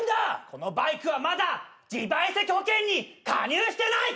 このバイクはまだ自賠責保険に加入してない！